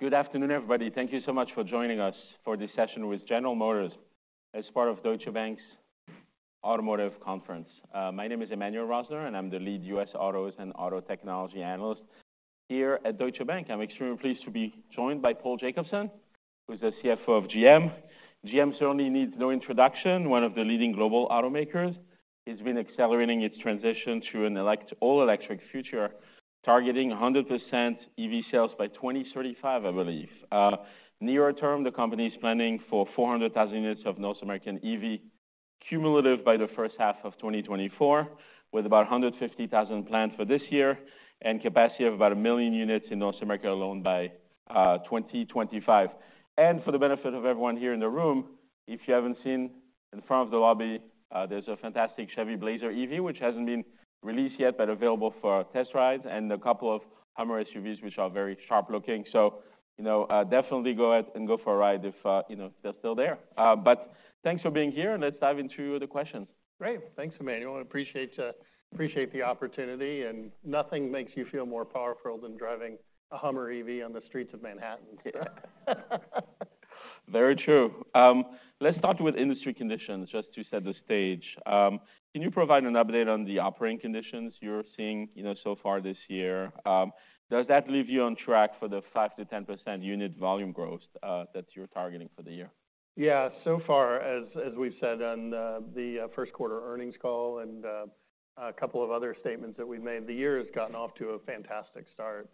Good afternoon, everybody. Thank you so much for joining us for this session with General Motors as part of Deutsche Bank's Automotive Conference. My name is Emmanuel Rosner, and I'm the lead US autos and auto technology analyst here at Deutsche Bank. I'm extremely pleased to be joined by Paul Jacobson, who's the CFO of GM. GM certainly needs no introduction. One of the leading global automakers. It's been accelerating its transition to an all-electric future, targeting 100% EV sales by 2035, I believe. Nearer term, the company is planning for 400,000 units of North American EV cumulative by the first half of 2024, with about 150,000 planned for this year, and capacity of about 1 million units in North America alone by 2025. For the benefit of everyone here in the room, if you haven't seen in the front of the lobby, there's a fantastic Chevy Blazer EV, which hasn't been released yet, but available for test rides, and a couple of HUMMER SUVs, which are very sharp looking. You know, definitely go ahead and go for a ride if, you know, they're still there. Thanks for being here, and let's dive into the questions. Great. Thanks, Emmanuel. I appreciate the opportunity. Nothing makes you feel more powerful than driving a HUMMER EV on the streets of Manhattan. Very true. Let's start with industry conditions, just to set the stage. Can you provide an update on the operating conditions you're seeing, you know, so far this year? Does that leave you on track for the 5%-10% unit volume growth that you're targeting for the year? Yeah. So far, as we've said on the first quarter earnings call and a couple of other statements that we've made, the year has gotten off to a fantastic start.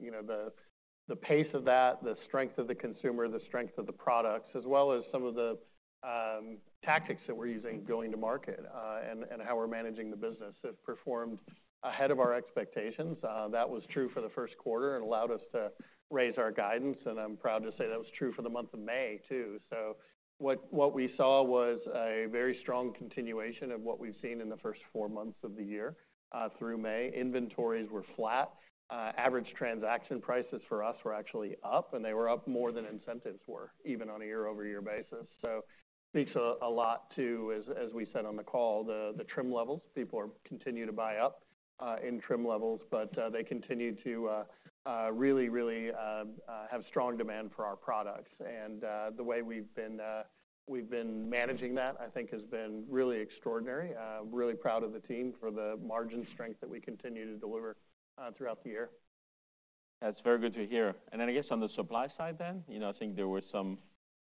You know, the pace of that, the strength of the consumer, the strength of the products, as well as some of the tactics that we're using going to market, and how we're managing the business, have performed ahead of our expectations. That was true for the first quarter and allowed us to raise our guidance, and I'm proud to say that was true for the month of May, too. What, what we saw was a very strong continuation of what we've seen in the first four months of the year through May. Inventories were flat. Average transaction prices for us were actually up, and they were up more than incentives were, even on a year-over-year basis. Speaks a lot to, as we said on the call, the trim levels. People are continuing to buy up in trim levels, but they continue to really, really have strong demand for our products. The way we've been managing that, I think, has been really extraordinary. Really proud of the team for the margin strength that we continue to deliver throughout the year. That's very good to hear. I guess on the supply side then, you know, I think there were some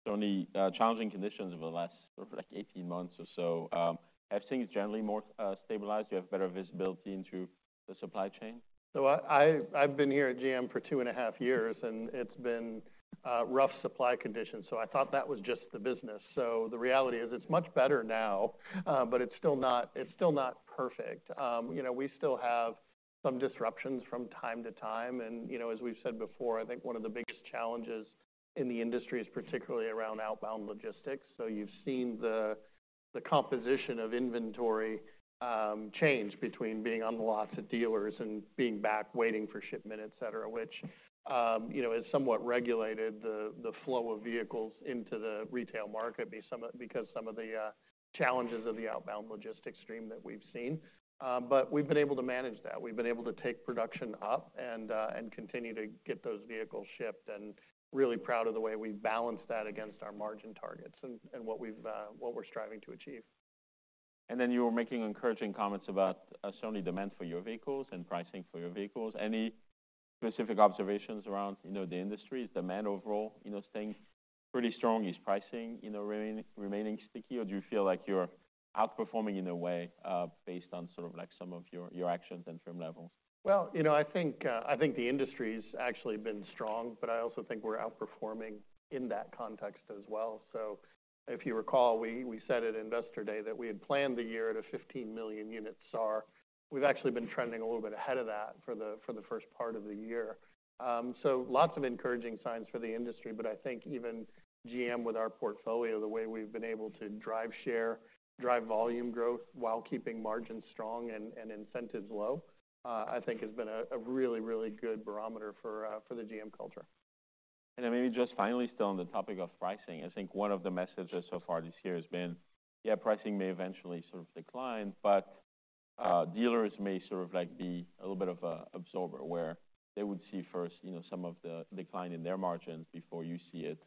certainly challenging conditions over the last sort of like 18 months or so. Everything is generally more stabilized. You have better visibility into the supply chain? I've been here at GM for two and a half years, it's been rough supply conditions, I thought that was just the business. The reality is it's much better now, it's still not perfect. You know, we still have some disruptions from time to time, and, you know, as we've said before, I think one of the biggest challenges in the industry is particularly around outbound logistics. You've seen the composition of inventory change between being on the lots of dealers and being back waiting for shipment, et cetera, which, you know, has somewhat regulated the flow of vehicles into the retail market because some of the challenges of the outbound logistics stream that we've seen. We've been able to manage that. We've been able to take production up and continue to get those vehicles shipped, and really proud of the way we've balanced that against our margin targets and, what we've, what we're striving to achieve. You were making encouraging comments about certainly demand for your vehicles and pricing for your vehicles. Any specific observations around, you know, the industry? Is demand overall, you know, staying pretty strong? Is pricing, you know, remaining sticky, or do you feel like you're outperforming in a way, based on sort of like some of your actions and trim levels? Well, you know, I think, I think the industry's actually been strong, but I also think we're outperforming in that context as well. If you recall, we said at Investor Day that we had planned the year at a 15 million unit SAR. We've actually been trending a little bit ahead of that for the first part of the year. Lots of encouraging signs for the industry, but I think even GM, with our portfolio, the way we've been able to drive share, drive volume growth while keeping margins strong and incentives low, I think has been a really, really good barometer for the GM culture. Maybe just finally, still on the topic of pricing, I think one of the messages so far this year has been, yeah, pricing may eventually sort of decline, but dealers may sort of like be a little bit of a absorber, where they would see first, you know, some of the decline in their margins before you see it.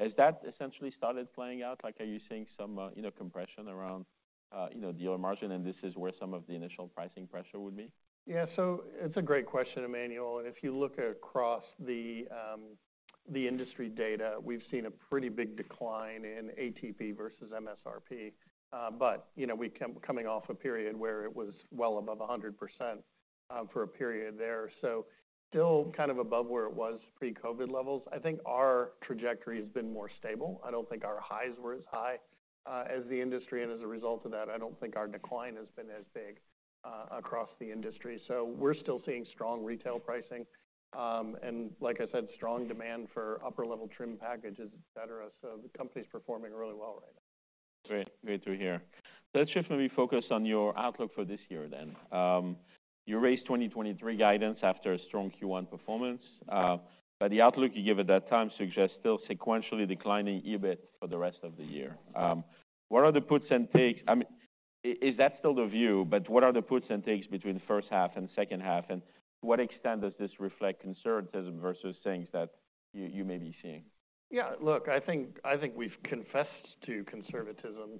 Has that essentially started playing out? Like, are you seeing some, you know, compression around, you know, dealer margin, and this is where some of the initial pricing pressure would be? It's a great question, Emmanuel, and if you look across the industry data, we've seen a pretty big decline in ATP versus MSRP. You know, we coming off a period where it was well above 100% for a period there, so still kind of above where it was pre-COVID levels. I think our trajectory has been more stable. I don't think our highs were as high as the industry, and as a result of that, I don't think our decline has been as big across the industry. We're still seeing strong retail pricing, and like I said, strong demand for upper-level trim packages, et cetera. The company's performing really well right now. Great. Great to hear. Let's shift and be focused on your outlook for this year then. You raised 2023 guidance after a strong Q1 performance, the outlook you gave at that time suggests still sequentially declining EBIT for the rest of the year. What are the puts and takes? Is that still the view? What are the puts and takes between the first half and second half, and what extent does this reflect conservatism versus things that you may be seeing? Yeah, look, I think we've confessed to conservatism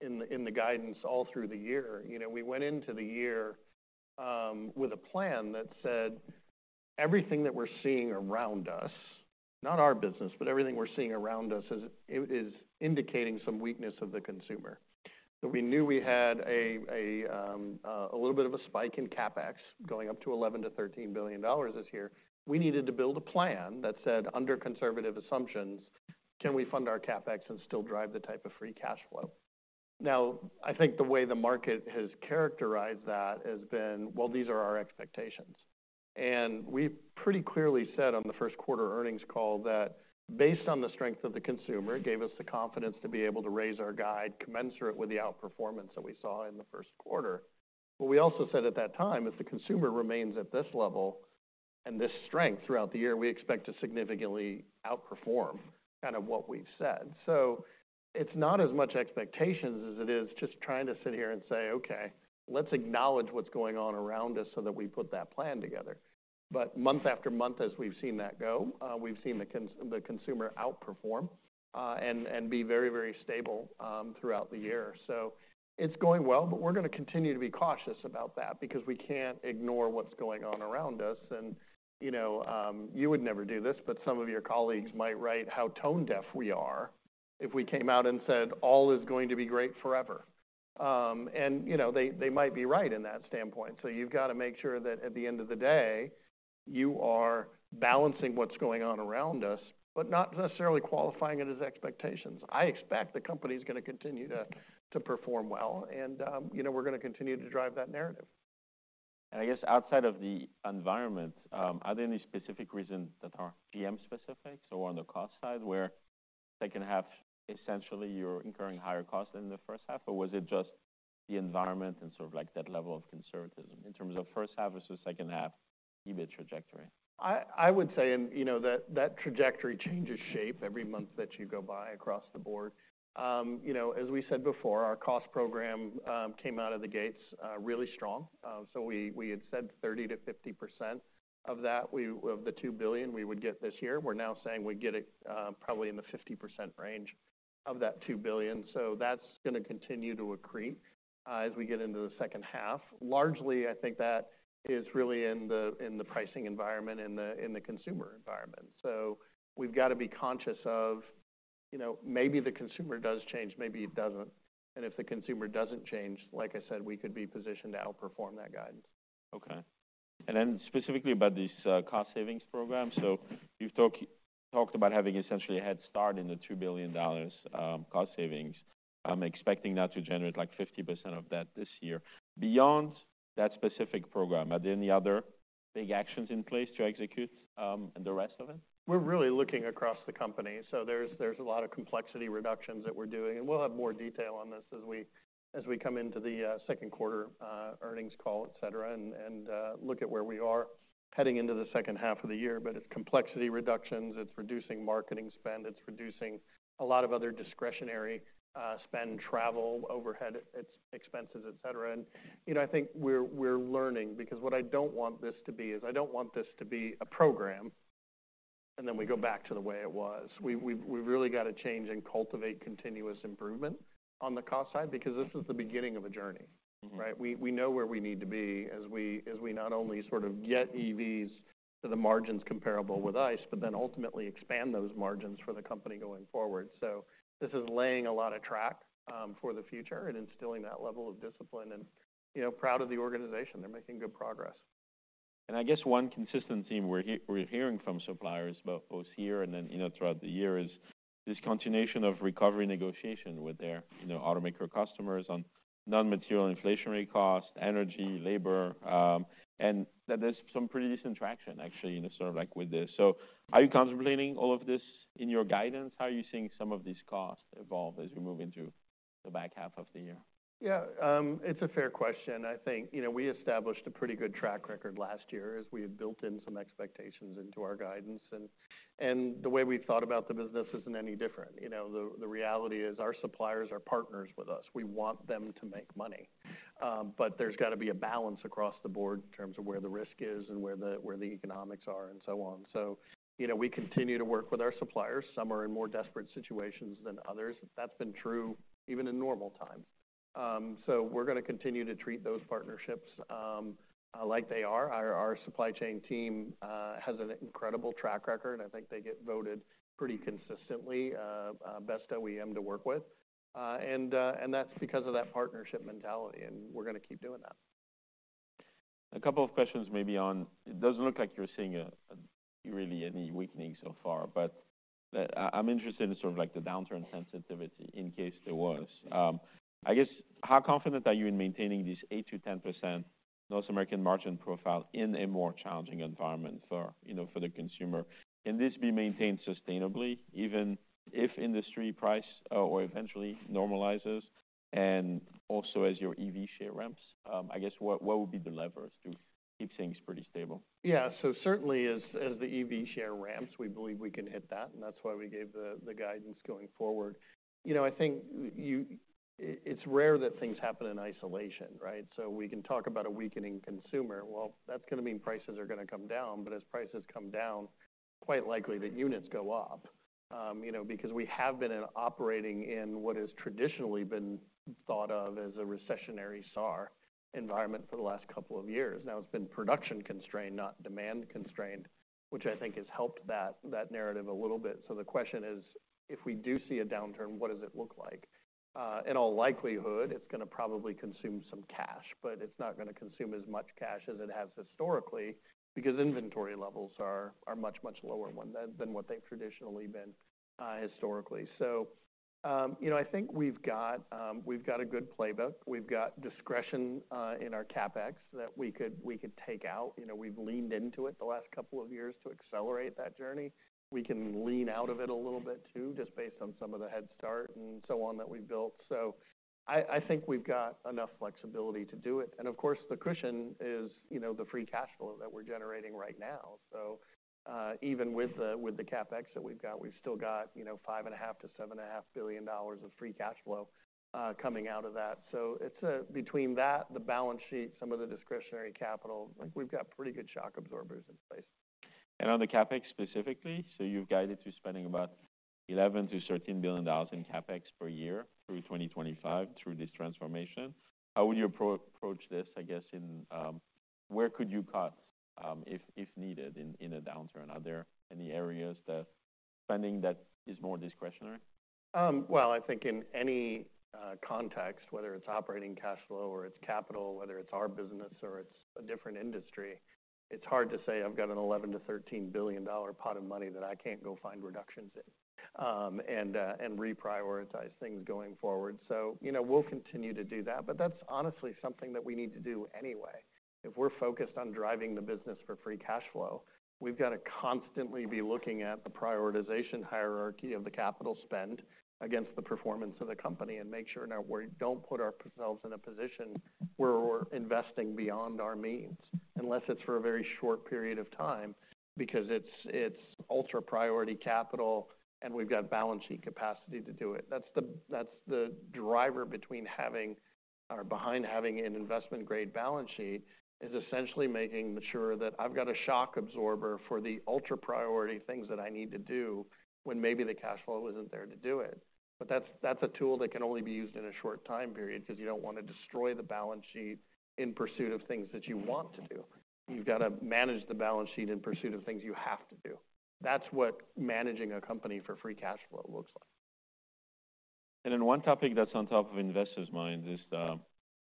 in the, in the guidance all through the year. You know, we went into the year with a plan that said everything that we're seeing around us, not our business, but everything we're seeing around us is indicating some weakness of the consumer. We knew we had a little bit of a spike in CapEx going up to $11 billion-$13 billion this year. We needed to build a plan that said, under conservative assumptions, can we fund our CapEx and still drive the type of free cash flow? I think the way the market has characterized that has been, well, these are our expectations. We pretty clearly said on the first quarter earnings call that based on the strength of the consumer, it gave us the confidence to be able to raise our guide commensurate with the outperformance that we saw in the first quarter. We also said at that time, if the consumer remains at this level and this strength throughout the year, we expect to significantly outperform kind of what we've said. It's not as much expectations as it is just trying to sit here and say, okay, let's acknowledge what's going on around us so that we put that plan together. Month after month, as we've seen that go, we've seen the consumer outperform, and be very stable throughout the year. It's going well, but we're gonna continue to be cautious about that because we can't ignore what's going on around us. You know, you would never do this, but some of your colleagues might write how tone deaf we are if we came out and said, all is going to be great forever. You know, they might be right in that standpoint. You've got to make sure that at the end of the day, you are balancing what's going on around us, but not necessarily qualifying it as expectations. I expect the company is gonna continue to perform well, and, you know, we're gonna continue to drive that narrative. I guess outside of the environment, are there any specific reasons that are PM specific? On the cost side, where second half, essentially, you're incurring higher costs than the first half, or was it just the environment and sort of like that level of conservatism in terms of first half versus second half EBIT trajectory? I would say, you know, that trajectory changes shape every month that you go by across the board. You know, as we said before, our cost program came out of the gates really strong. We had said 30%-50% of that, of the $2 billion we would get this year. We're now saying we get it probably in the 50% range of that $2 billion. That's gonna continue to accrete as we get into the second half. Largely, I think that is really in the, in the pricing environment and the, in the consumer environment. We've got to be conscious of, you know, maybe the consumer does change, maybe it doesn't. If the consumer doesn't change, like I said, we could be positioned to outperform that guidance. Okay. Then specifically about this, cost savings program. You've talked about having essentially a head start in the $2 billion cost savings. I'm expecting that to generate, like, 50% of that this year. Beyond that specific program, are there any other big actions in place to execute, the rest of it? We're really looking across the company, so there's a lot of complexity reductions that we're doing, and we'll have more detail on this as we come into the second quarter earnings call, et cetera, and look at where we are heading into the second half of the year. It's complexity reductions, it's reducing marketing spend, it's reducing a lot of other discretionary spend, travel, overhead, it's expenses, et cetera. You know, I think we're learning because what I don't want this to be is I don't want this to be a program, and then we go back to the way it was. We really got to change and cultivate continuous improvement on the cost side because this is the beginning of a journey, right? We know where we need to be as we not only sort of get EVs to the margins comparable with ICE, but then ultimately expand those margins for the company going forward. This is laying a lot of track for the future and instilling that level of discipline and, you know, proud of the organization. They're making good progress. I guess one consistent theme we're hearing from suppliers, both here and then, you know, throughout the year, is this continuation of recovery negotiation with their, you know, automaker customers on non-material inflationary costs, energy, labor, and that there's some pretty decent traction, actually, in the sort of like with this. Are you contemplating all of this in your guidance? How are you seeing some of these costs evolve as we move into the back half of the year? Yeah, it's a fair question. I think, you know, we established a pretty good track record last year as we had built in some expectations into our guidance, and the way we thought about the business isn't any different. You know, the reality is our suppliers are partners with us. We want them to make money, but there's got to be a balance across the board in terms of where the risk is and where the economics are, and so on. You know, we continue to work with our suppliers. Some are in more desperate situations than others. That's been true even in normal times. So we're gonna continue to treat those partnerships, like they are. Our supply chain team has an incredible track record, and I think they get voted pretty consistently, best OEM to work with. That's because of that partnership mentality, and we're gonna keep doing that. A couple of questions maybe on... It doesn't look like you're seeing really any weakening so far. I'm interested in sort of like the downturn sensitivity in case there was. I guess, how confident are you in maintaining this 8%-10% North American margin profile in a more challenging environment for, you know, for the consumer? Can this be maintained sustainably, even if industry price or eventually normalizes and also as your EV share ramps, I guess, what would be the levers to keep things pretty stable? Certainly as the EV share ramps, we believe we can hit that, and that's why we gave the guidance going forward. You know, I think it's rare that things happen in isolation, right, We can talk about a weakening consumer. Well, that's gonna mean prices are gonna come down, but as prices come down quite likely that units go up, you know, because we have been operating in what has traditionally been thought of as a recessionary SAR environment for the last couple of years now. It's been production constrained, not demand constrained, which I think has helped that narrative a little bit. So the question is, if we do see a downturn, what does it look like? In all likelihood, it's going to probably consume some cash. It's not going to consume as much cash as it has historically, because inventory levels are much lower than what they've traditionally been historically. You know, I think we've got a good playbook. We've got discretion in our CapEx that we could take out. You know, we've leaned into it the last couple of years to accelerate that journey. We can lean out of it a little bit, too, just based on some of the head start and so on, that we've built. I think we've got enough flexibility to do it. Of course, the cushion is, you know, the free cash flow that we're generating right now. Even with the CapEx that we've got, we've still got, you know, $5.5 billion-$7.5 billion of free cash flow coming out of that. It's between that, the balance sheet, some of the discretionary capital, I think we've got pretty good shock absorbers in place. On the CapEx specifically, you've guided to spending about $11 billion-$13 billion in CapEx per year through 2025 through this transformation. How would you approach this, I guess, in, where could you cut, if needed in a downturn? Are there any areas that spending is more discretionary? Well, I think in any context, whether it's operating cash flow or it's capital, whether it's our business or it's a different industry, it's hard to say I've got an $11 billion-$13 billion pot of money that I can't go find reductions in and reprioritize things going forward. You know, we'll continue to do that, but that's honestly something that we need to do anyway. If we're focused on driving the business for free cash flow, we've got to constantly be looking at the prioritization hierarchy of the capital spend against the performance of the company and make sure that we don't put ourselves in a position where we're investing beyond our means, unless it's for a very short period of time, because it's ultra priority capital, and we've got balance sheet capacity to do it. That's the driver behind having an investment-grade balance sheet, is essentially making sure that I've got a shock absorber for the ultra priority things that I need to do when maybe the cash flow isn't there to do it. That's a tool that can only be used in a short time period, because you don't want to destroy the balance sheet in pursuit of things that you want to do. You've got to manage the balance sheet in pursuit of things you have to do. That's what managing a company for free cash flow looks like. One topic that's on top of investors' mind is the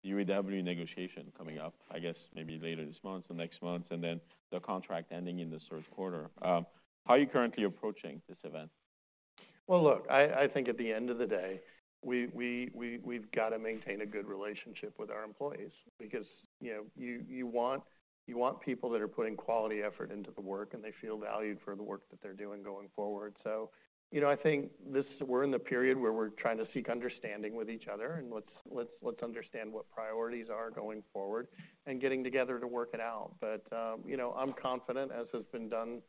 UAW negotiation coming up, I guess, maybe later this month or next month, and then the contract ending in the third quarter. How are you currently approaching this event? Look, I think at the end of the day, we've got to maintain a good relationship with our employees because, you know, you want people that are putting quality effort into the work, and they feel valued for the work that they're doing going forward. You know, we're in the period where we're trying to seek understanding with each other, and let's understand what priorities are going forward and getting together to work it out. You know, I'm confident, as has been done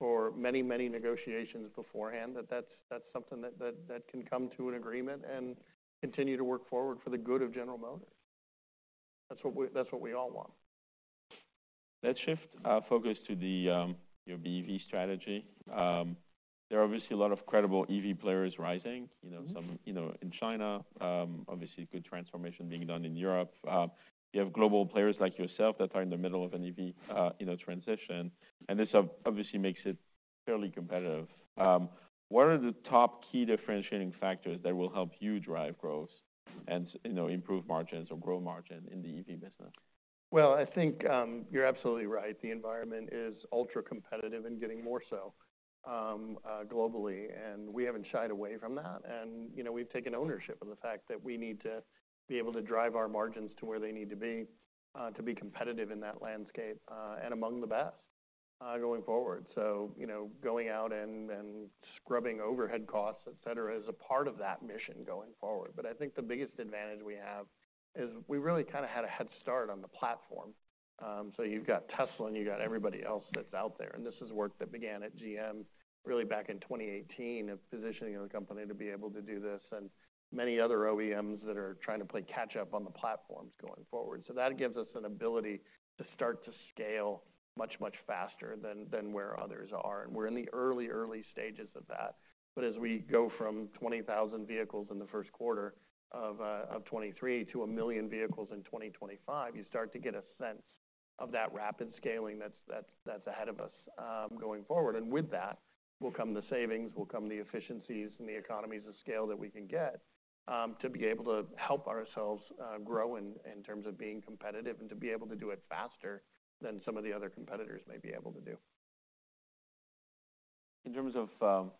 for many negotiations beforehand, that's something that can come to an agreement and continue to work forward for the good of General Motors. That's what we all want. Let's shift our focus to the your BEV strategy. There are obviously a lot of credible EV players rising, you know, some, you know, in China, obviously good transformation being done in Europe. You have global players like yourself that are in the middle of an EV, you know, transition, and this obviously makes it fairly competitive. What are the top key differentiating factors that will help you drive growth and, you know, improve margins or grow margin in the EV business? Well, I think, you're absolutely right. The environment is ultra-competitive and getting more so, globally, and we haven't shied away from that. You know, we've taken ownership of the fact that we need to be able to drive our margins to where they need to be, to be competitive in that landscape, and among the best, going forward. You know, going out and scrubbing overhead costs, et cetera, is a part of that mission going forward. I think the biggest advantage we have is we really kind of had a head start on the platform. So you've got Tesla, and you've got everybody else that's out there. This is work that began at GM, really back in 2018, of positioning the company to be able to do this and many other OEMs that are trying to play catch up on the platforms going forward. That gives us an ability to start to scale much faster than where others are. We're in the early stages of that. As we go from 20,000 vehicles in the first quarter of 2023 to 1 million vehicles in 2025, you start to get a sense of that rapid scaling that's ahead of us going forward. With that will come the savings, will come the efficiencies and the economies of scale that we can get, to be able to help ourselves, grow in terms of being competitive and to be able to do it faster than some of the other competitors may be able to do. In terms of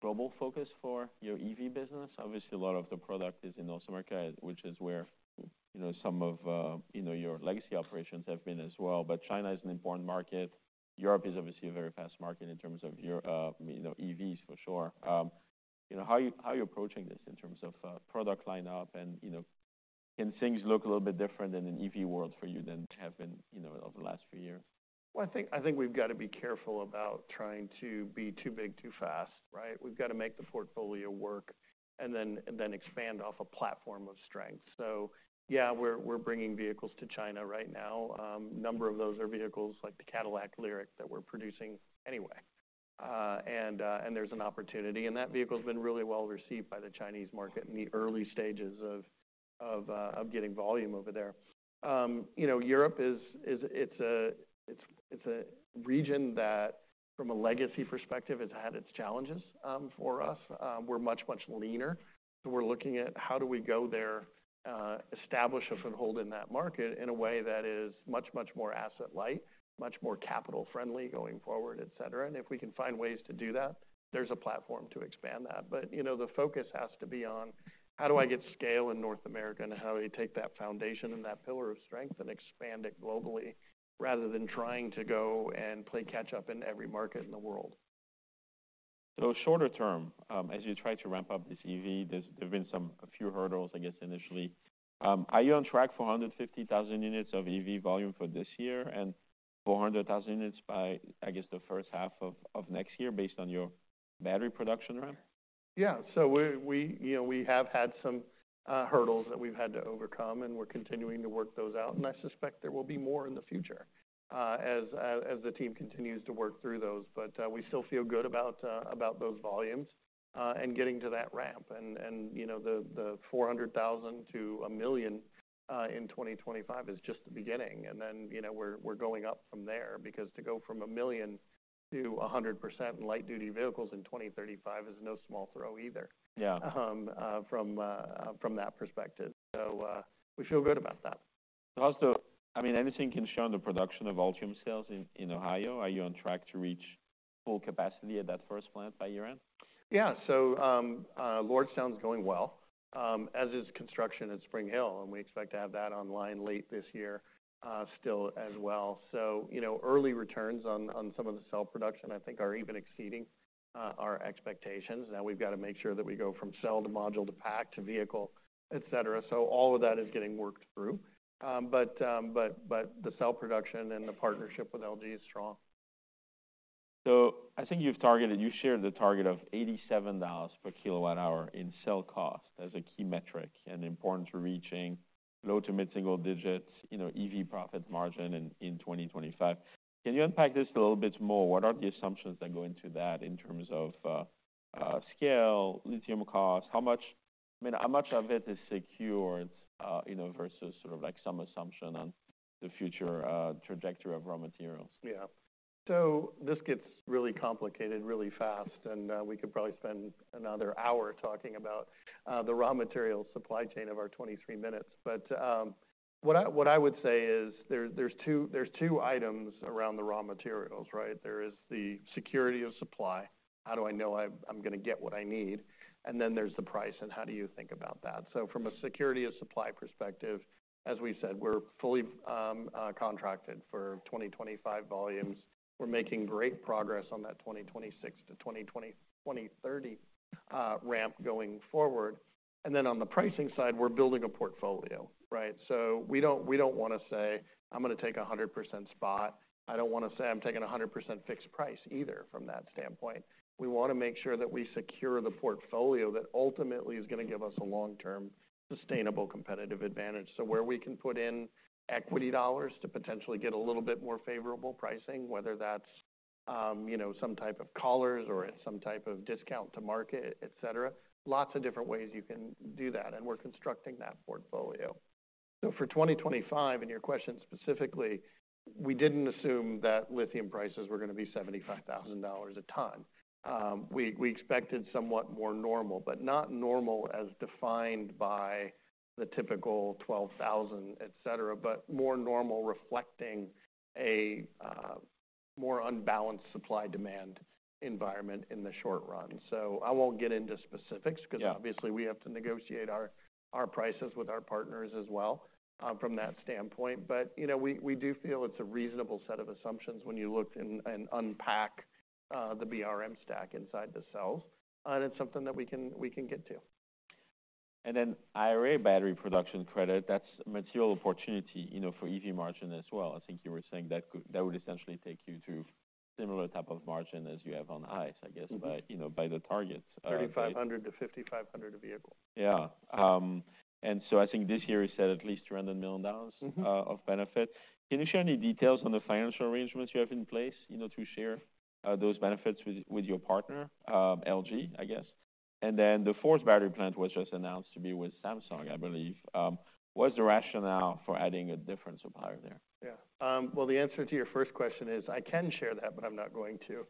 global focus for your EV business, obviously, a lot of the product is in North America, which is where, you know, some of, you know, your legacy operations have been as well. China is an important market. Europe is obviously a very fast market in terms of, you know, EVs for sure. How are you approaching this in terms of product lineup and, you know, can things look a little bit different in an EV world for you than have been, you know, over the last few years? Well, I think we've got to be careful about trying to be too big, too fast, right? We've got to make the portfolio work and then expand off a platform of strength. Yeah, we're bringing vehicles to China right now. A number of those are vehicles like the Cadillac LYRIQ that we're producing anyway.... There's an opportunity, and that vehicle's been really well received by the Chinese market in the early stages of getting volume over there. You know, Europe is a region that, from a legacy perspective, has had its challenges for us. We're much, much leaner, so we're looking at how do we go there, establish a foothold in that market in a way that is much, much more asset light, much more capital friendly going forward, et cetera. If we can find ways to do that, there's a platform to expand that. You know, the focus has to be on how do I get scale in North America, and how do we take that foundation and that pillar of strength and expand it globally, rather than trying to go and play catch up in every market in the world. Shorter term, as you try to ramp up this EV, there's been a few hurdles, I guess, initially. Are you on track for 150,000 units of EV volume for this year and 400,000 units by, I guess, the first half of next year, based on your battery production ramp? Yeah. We, you know, we have had some hurdles that we've had to overcome, and we're continuing to work those out. I suspect there will be more in the future, as the team continues to work through those. We still feel good about those volumes and getting to that ramp. You know, the 400,000 to 1 million in 2025 is just the beginning. Then, you know, we're going up from there, because to go from 1 million to 100% in light-duty vehicles in 2035 is no small throw either. Yeah. From that perspective. We feel good about that. I mean, anything can show on the production of Ultium cells in Ohio. Are you on track to reach full capacity at that first plant by year-end? Lordstown going well, as is construction at Spring Hill, and we expect to have that online late this year, still as well. You know, early returns on some of the cell production, I think, are even exceeding our expectations. Now, we've got to make sure that we go from cell to module to pack to vehicle, et cetera. All of that is getting worked through. The cell production and the partnership with LG is strong. I think you shared the target of $87 per kWh in cell cost as a key metric and important to reaching low to mid-single digits, you know, EV profit margin in 2025. Can you unpack this a little bit more? What are the assumptions that go into that in terms of scale, lithium costs? I mean, how much of it is secured, you know, versus sort of like some assumption on the future trajectory of raw materials? Yeah. This gets really complicated, really fast, and we could probably spend another hour talking about the raw material supply chain of our 23 minutes. What I would say is there's two items around the raw materials, right? There is the security of supply. How do I know I'm gonna get what I need? There's the price, and how do you think about that? From a security of supply perspective, as we've said, we're fully contracted for 2025 volumes. We're making great progress on that 2026 to 2030 ramp going forward. On the pricing side, we're building a portfolio, right? We don't wanna say, I'm gonna take a 100% spot. I don't wanna say I'm taking 100% fixed price either from that standpoint. We wanna make sure that we secure the portfolio that ultimately is gonna give us a long-term, sustainable competitive advantage. Where we can put in equity dollars to potentially get a little bit more favorable pricing, whether that's, you know, some type of collars or some type of discount to market, et cetera. Lots of different ways you can do that, we're constructing that portfolio. For 2025, and your question specifically, we didn't assume that lithium prices were gonna be $75,000 a ton. We expected somewhat more normal, but not normal as defined by the typical 12,000, et cetera, but more normal reflecting a more unbalanced supply-demand environment in the short run. I won't get into specifics. Because obviously, we have to negotiate our prices with our partners as well, from that standpoint. You know, we do feel it's a reasonable set of assumptions when you look and unpack the BMS stack inside the cells, and it's something that we can get to. IRA battery production credit, that's a material opportunity, you know, for EV margin as well. I think you were saying that would essentially take you to similar type of margin as you have on ICE, I guess, you know, by the target, right? $3,500-$5,500 a vehicle. Yeah. I think this year, you said at least $200 million of benefit. Can you share any details on the financial arrangements you have in place, you know, to share those benefits with your partner, LG, I guess? The fourth battery plant was just announced to be with Samsung, I believe. What's the rationale for adding a different supplier there? Yeah. Well, the answer to your first question is, I can share that, but I'm not going to.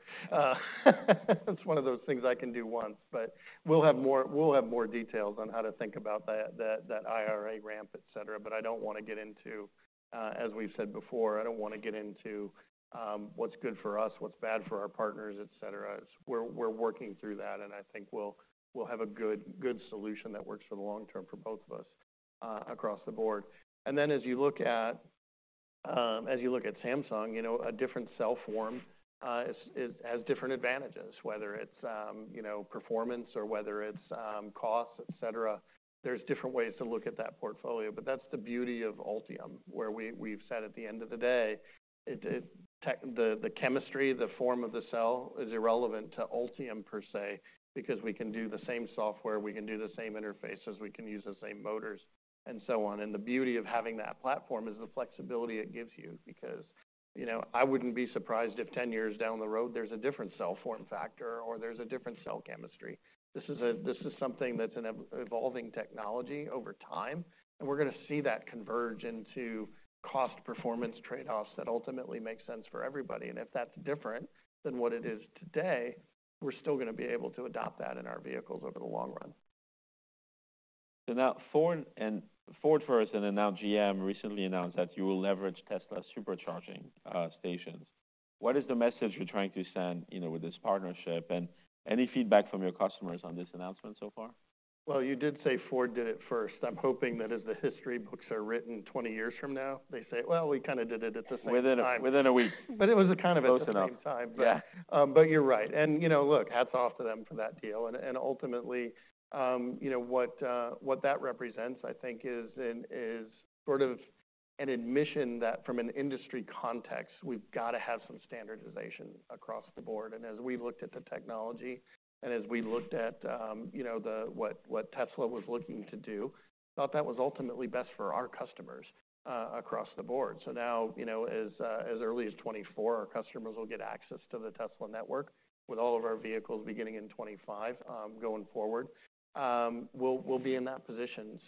It's one of those things I can do once, but we'll have more details on how to think about that IRA ramp, et cetera. As we've said before, I don't wanna get into what's good for us, what's bad for our partners, et cetera. We're working through that, and I think we'll have a good solution that works for the long term for both of us across the board. Then, as you look at, as you look at Samsung, you know, a different cell form, is has different advantages, whether it's, you know, performance or whether it's cost, et cetera. There's different ways to look at that portfolio, but that's the beauty of Ultium, where we've said at the end of the day, it, the chemistry, the form of the cell is irrelevant to Ultium per se, because we can do the same software, we can do the same interfaces, we can use the same motors, and so on. The beauty of having that platform is the flexibility it gives you, because, you know, I wouldn't be surprised if 10 years down the road, there's a different cell form factor or there's a different cell chemistry. This is a, this is something that's an evolving technology over time, We're going to see that converge into cost performance trade-offs that ultimately make sense for everybody. If that's different than what it is today, we're still going to be able to adopt that in our vehicles over the long run. Now Ford first, now GM recently announced that you will leverage Tesla's Supercharging stations. What is the message you're trying to send, you know, with this partnership, and any feedback from your customers on this announcement so far? Well, you did say Ford did it first. I'm hoping that as the history books are written 20 years from now, they say, well, we kind of did it at the same time. Within a week. It was a kind of... Close enough. You're right. You know, look, hats off to them for that deal. Ultimately, you know, what that represents, I think, is sort of an admission that from an industry context, we've got to have some standardization across the board. As we've looked at the technology and as we looked at, you know, what Tesla was looking to do, we thought that was ultimately best for our customers across the board. Now, you know, as early as 2024, our customers will get access to the Tesla network, with all of our vehicles beginning in 2025, going forward, we'll be in that position.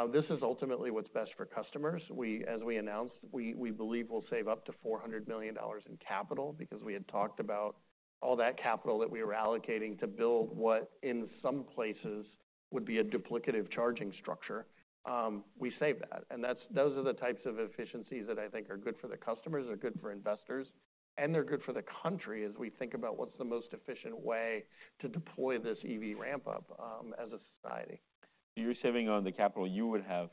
This is ultimately what's best for customers. We, as we announced, we believe we'll save up to $400 million in capital because we had talked about all that capital that we were allocating to build what in some places would be a duplicative charging structure, we save that. Those are the types of efficiencies that I think are good for the customers, are good for investors, and they're good for the country as we think about what's the most efficient way to deploy this EV ramp-up as a society. You're saving on the capital you would have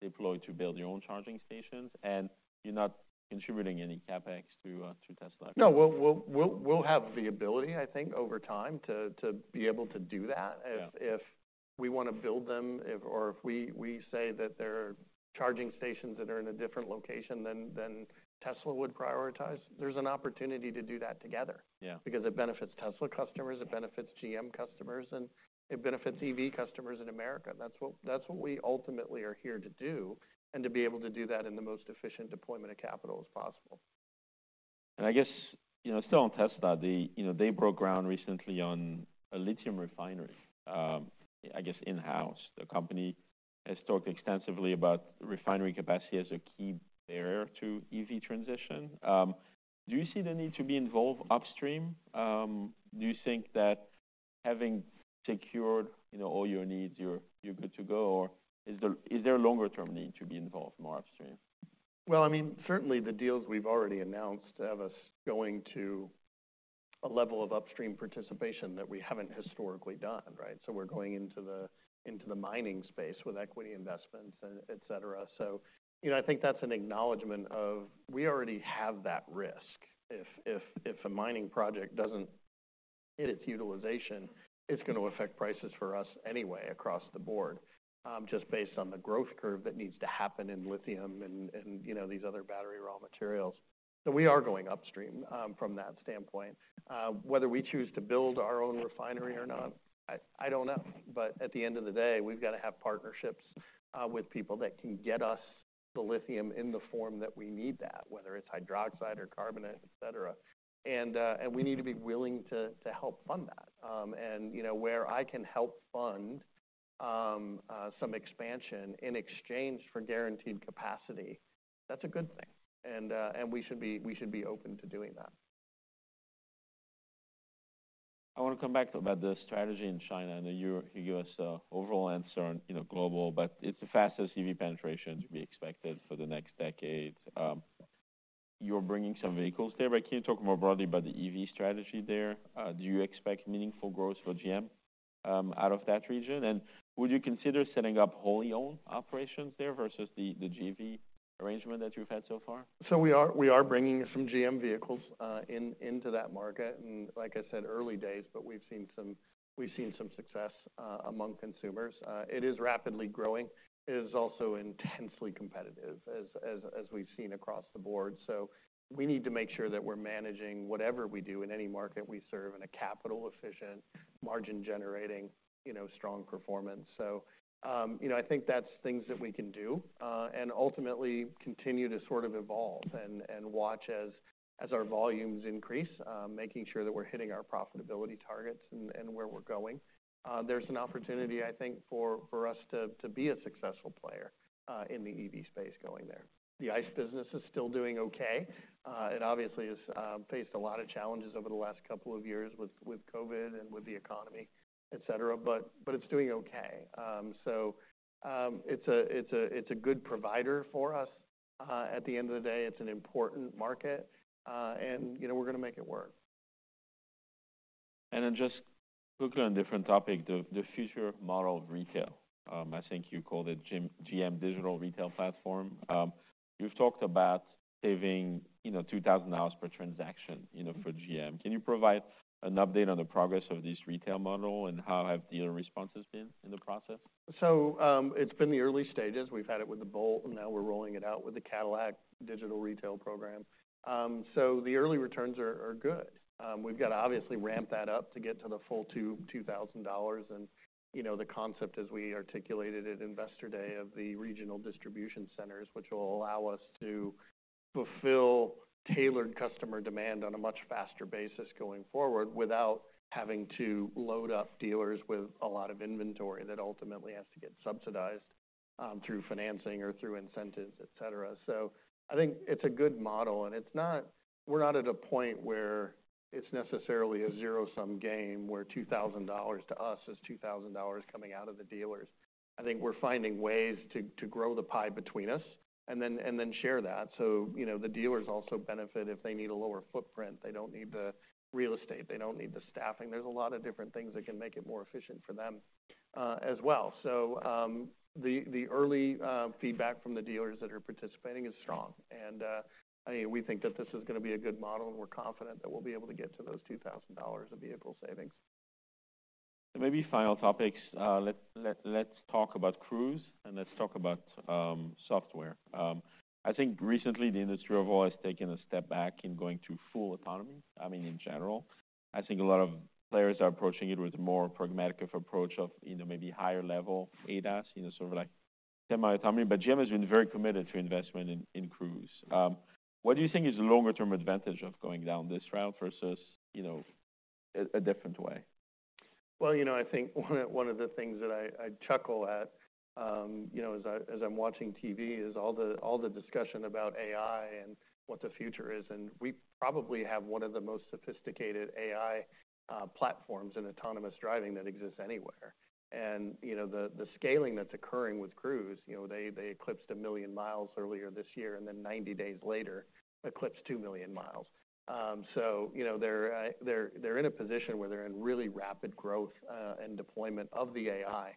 deployed to build your own charging stations, and you're not contributing any CapEx to Tesla? No, we'll have the ability, I think, over time, to be able to do that. If we want to build them, if or if we say that there are charging stations that are in a different location than Tesla would prioritize, there's an opportunity to do that together. It benefits Tesla customers, it benefits GM customers, and it benefits EV customers in America. That's what we ultimately are here to do, and to be able to do that in the most efficient deployment of capital as possible. I guess, you know, still on Tesla, you know, they broke ground recently on a lithium refinery, I guess, in-house. The company has talked extensively about refinery capacity as a key barrier to EV transition. Do you see the need to be involved upstream? Do you think that having secured, you know, all your needs, you're good to go, or is there a longer-term need to be involved more upstream? Well, I mean, certainly the deals we've already announced have us going to a level of upstream participation that we haven't historically done, right? We're going into the mining space with equity investments and et cetera. You know, I think that's an acknowledgment of we already have that risk. If a mining project doesn't hit its utilization, it's going to affect prices for us anyway across the board, just based on the growth curve that needs to happen in lithium and, you know, these other battery raw materials. We are going upstream from that standpoint. Whether we choose to build our own refinery or not, I don't know. At the end of the day, we've got to have partnerships with people that can get us the lithium in the form that we need that, whether it's hydroxide or carbonate, et cetera. We need to be willing to help fund that. You know, where I can help fund some expansion in exchange for guaranteed capacity, that's a good thing, and we should be open to doing that. I want to come back to about the strategy in China. I know you gave us an overall answer on, you know, global, but it's the fastest EV penetration to be expected for the next decade. You're bringing some vehicles there, but can you talk more broadly about the EV strategy there? Do you expect meaningful growth for GM out of that region? Would you consider setting up wholly owned operations there versus the JV arrangement that you've had so far? We are bringing some GM vehicles into that market, and like I said, early days, but we've seen some success among consumers. It is rapidly growing. It is also intensely competitive, as we've seen across the board. We need to make sure that we're managing whatever we do in any market we serve in a capital-efficient, margin-generating, you know, strong performance. You know, I think that's things that we can do and ultimately continue to sort of evolve and watch as our volumes increase, making sure that we're hitting our profitability targets and where we're going. There's an opportunity, I think, for us to be a successful player in the EV space going there. The ICE business is still doing okay. It obviously has faced a lot of challenges over the last couple of years with COVID and with the economy, et cetera, but it's doing okay. It's a good provider for us. At the end of the day, it's an important market, and, you know, we're gonna make it work. Just quickly on a different topic, the future model of retail. I think you called it GM Digital Retail Platform. You've talked about saving, you know, $2,000 per transaction, you know, for GM. Can you provide an update on the progress of this retail model, and how have dealer responses been in the process? It's been the early stages. We've had it with the Bolt, and now we're rolling it out with the Cadillac Digital Retail program. The early returns are good. We've got to obviously ramp that up to get to the full $2,000. You know, the concept, as we articulated at Investor Day of the regional distribution centers, which will allow us to fulfill tailored customer demand on a much faster basis going forward, without having to load up dealers with a lot of inventory that ultimately has to get subsidized through financing or through incentives, et cetera. I think it's a good model, and it's not we're not at a point where it's necessarily a zero-sum game, where $2,000 to us is $2,000 coming out of the dealers. I think we're finding ways to grow the pie between us and then share that. You know, the dealers also benefit if they need a lower footprint. They don't need the real estate. They don't need the staffing. There's a lot of different things that can make it more efficient for them as well. The early feedback from the dealers that are participating is strong, and, I mean, we think that this is going to be a good model, and we're confident that we'll be able to get to those $2,000 of vehicle savings. Maybe final topics. Let's talk about Cruise, and let's talk about software. I think recently the industry overall has taken a step back in going to full autonomy, I mean, in general. I think a lot of players are approaching it with a more pragmatic approach of, you know, maybe higher level ADAS, you know, sort of like semi-autonomy. GM has been very committed to investment in Cruise. What do you think is the longer term advantage of going down this route versus, you know, a different way? You know, I think one of the things that I chuckle at, you know, as I, as I'm watching TV, is all the discussion about AI and what the future is, and we probably have one of the most sophisticated AI platforms in autonomous driving that exists anywhere. You know, the scaling that's occurring with Cruise, you know, they eclipsed 1 million miles earlier this year, and then 90 days later, eclipsed 2 million mi. You know, they're in a position where they're in really rapid growth and deployment of the AI,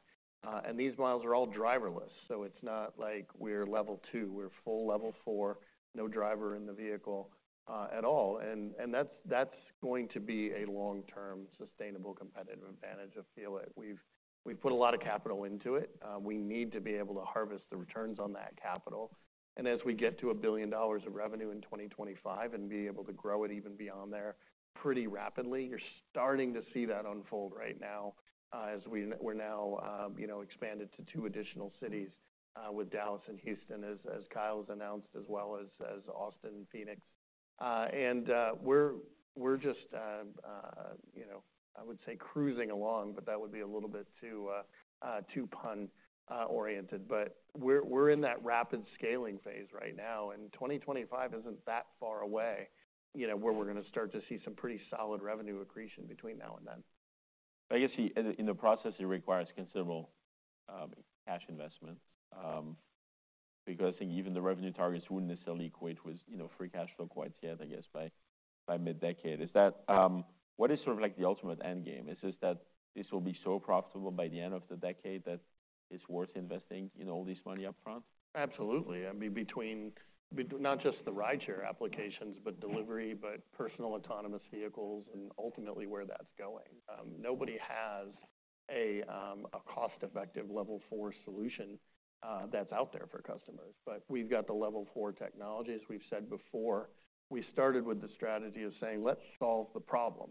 and these miles are all driverless, so it's not like we're Level 2. We're full Level 4, no driver in the vehicle at all, and that's going to be a long-term, sustainable competitive advantage of feel it. We've put a lot of capital into it. We need to be able to harvest the returns on that capital. As we get to $1 billion of revenue in 2025 and be able to grow it even beyond there pretty rapidly, you're starting to see that unfold right now, as we're now, you know, expanded to two additional cities, with Dallas and Houston, as Kyle's announced, as well as Austin and Phoenix. We're just, you know, I would say cruising along, but that would be a little bit too pun-oriented. We're in that rapid scaling phase right now, and 2025 isn't that far away, you know, where we're going to start to see some pretty solid revenue accretion between now and then. I guess in the process, it requires considerable cash investment, because I think even the revenue targets wouldn't necessarily equate with, you know, free cash flow quite yet, I guess, by mid-decade. Is that, What is sort of like the ultimate end game? Is just that this will be so profitable by the end of the decade that it's worth investing, you know, all this money up front? Absolutely. I mean, between not just the rideshare applications, but delivery, but personal autonomous vehicles and ultimately where that's going. Nobody has a cost-effective Level 4 solution that's out there for customers, but we've got the Level 4 technology. As we've said before, we started with the strategy of saying: Let's solve the problem.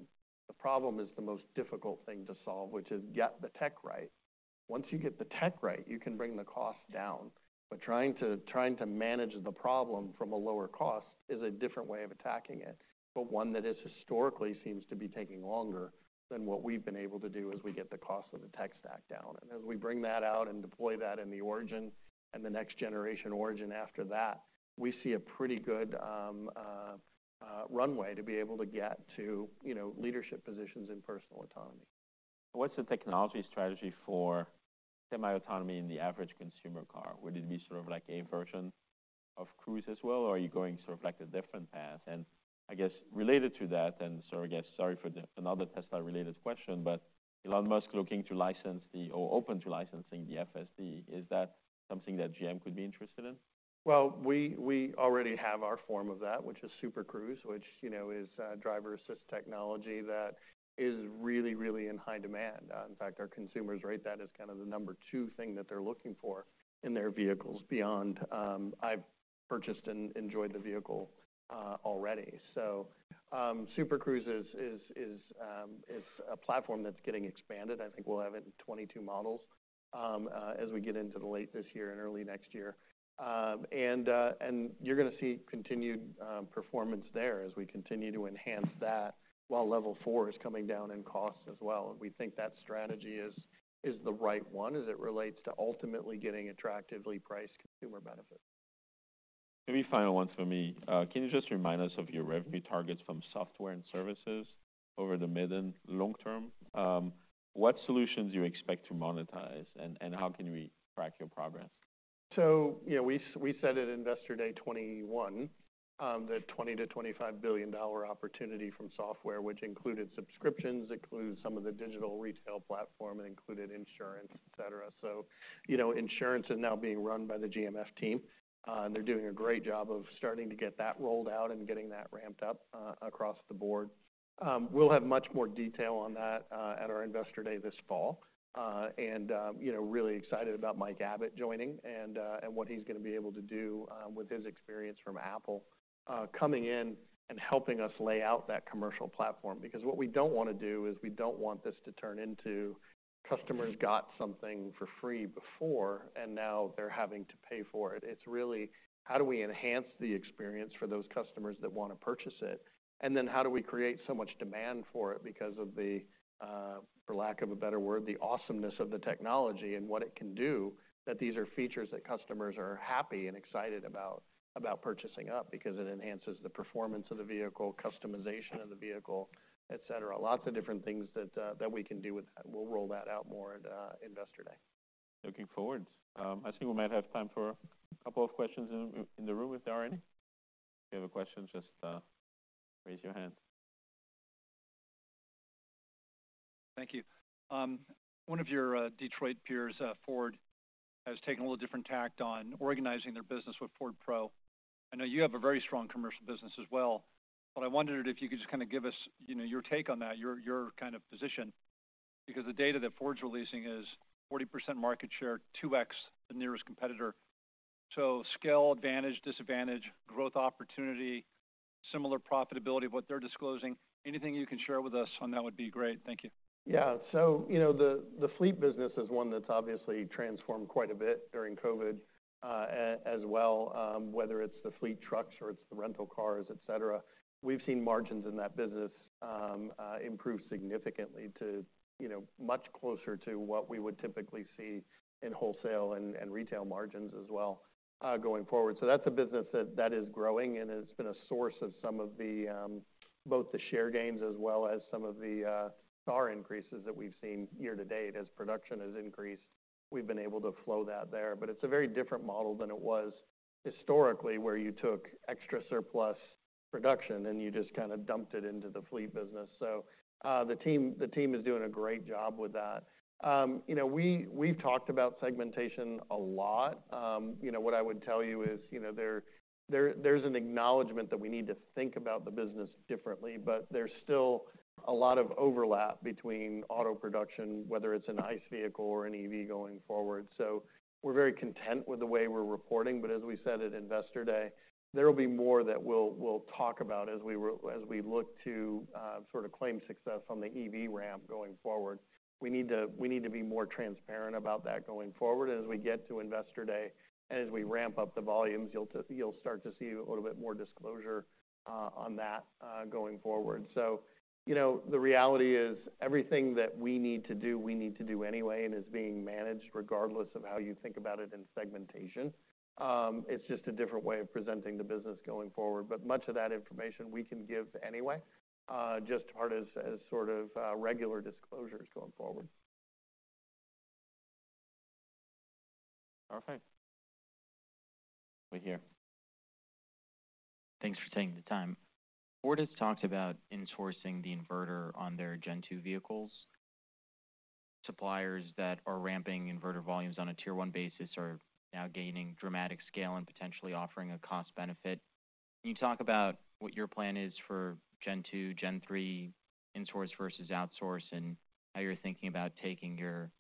The problem is the most difficult thing to solve, which is get the tech right. Once you get the tech right, you can bring the cost down, but trying to manage the problem from a lower cost is a different way of attacking it, but one that is historically seems to be taking longer than what we've been able to do as we get the cost of the tech stack down. As we bring that out and deploy that in the Origin and the next generation Origin after that, we see a pretty good runway to be able to get to, you know, leadership positions in personal autonomy. What's the technology strategy for semi-autonomy in the average consumer car? Would it be sort of like a version of Cruise as well, or are you going sort of like a different path? I guess related to that, then, so I guess sorry for the, another Tesla-related question, but Elon Musk looking to license or open to licensing the FSD. Is that something that GM could be interested in? Well, we already have our form of that, which is Super Cruise, which, you know, is driver-assist technology that is really in high demand. In fact, our consumers rate that as kind of the number two thing that they're looking for in their vehicles beyond I've purchased and enjoyed the vehicle already. Super Cruise is a platform that's getting expanded. I think we'll have it in 22 models as we get into the late this year and early next year. You're going to see continued performance there as we continue to enhance that, while Level 4 is coming down in cost as well. We think that strategy is the right one as it relates to ultimately getting attractively priced consumer benefit. Maybe final one for me. Can you just remind us of your revenue targets from software and services over the mid and long term? What solutions do you expect to monetize, and how can we track your progress? you know, we said at Investor Day 2021 that $20 billion-$25 billion opportunity from software, which included subscriptions, included some of the digital retail platform, and included insurance, et cetera. you know, insurance is now being run by the GMF team, and they're doing a great job of starting to get that rolled out and getting that ramped up across the board. We'll have much more detail on that at our Investor Day this fall. And, you know, really excited about Mike Abbott joining and what he's going to be able to do with his experience from Apple coming in and helping us lay out that commercial platform. Because what we don't want to do is we don't want this to turn into customers got something for free before, and now they're having to pay for it. It's really, how do we enhance the experience for those customers that want to purchase it? How do we create so much demand for it because of the for lack of a better word, the awesomeness of the technology and what it can do, that these are features that customers are happy and excited about purchasing up because it enhances the performance of the vehicle, customization of the vehicle, et cetera. Lots of different things that that we can do with that. We'll roll that out more at Investor Day. Looking forward. I see we might have time for a couple of questions in the room, if there are any. If you have a question, just raise your hand. Thank you. One of your Detroit peers, Ford, has taken a little different tact on organizing their business with Ford Pro. I know you have a very strong commercial business as well, but I wondered if you could just kind of give us, you know, your take on that, your kind of position, because the data that Ford's releasing is 40% market share, 2x, the nearest competitor. Scale advantage, disadvantage, growth opportunity, similar profitability of what they're disclosing. Anything you can share with us on that would be great. Thank you. Yeah. You know, the fleet business is one that's obviously transformed quite a bit during COVID, as well, whether it's the fleet trucks or it's the rental cars, et cetera. We've seen margins in that business improve significantly to, you know, much closer to what we would typically see in wholesale and retail margins as well, going forward. That's a business that is growing, and it's been a source of some of the both the share gains as well as some of the star increases that we've seen year to date. As production has increased, we've been able to flow that there, but it's a very different model than it was historically, where you took extra surplus production, and you just kinda dumped it into the fleet business. The team is doing a great job with that. You know, we've talked about segmentation a lot. You know, what I would tell you is, you know, there's an acknowledgment that we need to think about the business differently, but there's still a lot of overlap between auto production, whether it's an ICE vehicle or an EV going forward. We're very content with the way we're reporting, but as we said at Investor Day, there will be more that we'll talk about as we look to, sort of claim success on the EV ramp going forward. We need to be more transparent about that going forward. As we get to Investor Day, as we ramp up the volumes, you'll start to see a little bit more disclosure on that going forward. You know, the reality is, everything that we need to do, we need to do anyway and is being managed regardless of how you think about it in segmentation. It's just a different way of presenting the business going forward. Much of that information we can give anyway, just part as sort of regular disclosures going forward. Perfect. Over here. Thanks for taking the time. Ford has talked about insourcing the inverter on their Gen 2 vehicles. Suppliers that are ramping inverter volumes on a Tier 1 basis are now gaining dramatic scale and potentially offering a cost benefit. Can you talk about what your plan is for Gen 2, Gen 3, insource versus outsource, and how you're thinking about taking your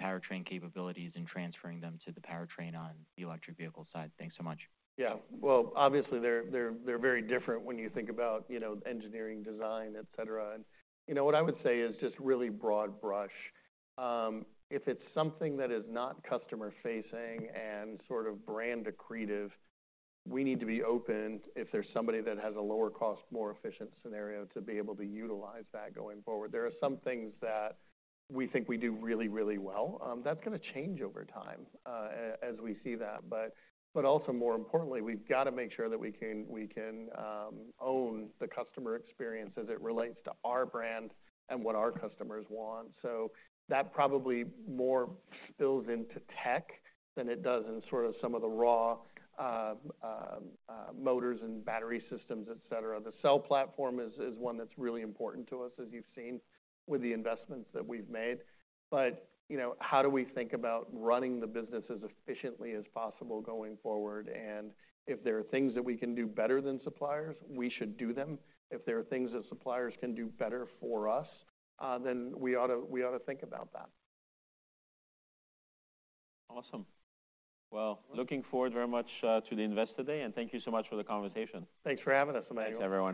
powertrain capabilities and transferring them to the powertrain on the electric vehicle side? Thanks so much. Yeah, well, obviously, they're very different when you think about, you know, engineering, design, et cetera. You know, what I would say is just really broad brush. If it's something that is not customer-facing and sort of brand accretive, we need to be open if there's somebody that has a lower cost, more efficient scenario to be able to utilize that going forward. There are some things that we think we do really, really well. That's gonna change over time, as we see that, but also more importantly, we've got to make sure that we can own the customer experience as it relates to our brand and what our customers want. That probably more spills into tech than it does in sort of some of the raw motors and battery systems, et cetera. The cell platform is one that's really important to us, as you've seen with the investments that we've made. You know, how do we think about running the business as efficiently as possible going forward. If there are things that we can do better than suppliers, we should do them. If there are things that suppliers can do better for us, we ought to think about that. Awesome. Well, looking forward very much, to the Investor Day, and thank you so much for the conversation. Thanks for having us, Emmanuel. Thanks, everyone.